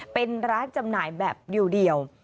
เป็นร้านจำหน่ายแบบเดียว